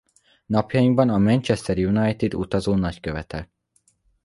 Napjainkban a Manchester United utazó nagykövete.